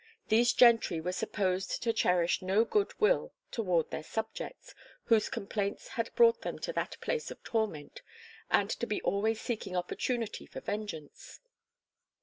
These gentry were supposed to cherish no good will toward their subjects, whose complaints had brought them to that place of torment, and to be always seeking opportunity for vengeance.